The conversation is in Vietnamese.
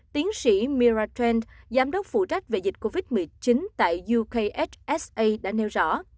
tiến sĩ mira trent giám đốc phụ trách về dịch covid một mươi chín tại ukhsa đã nêu rõ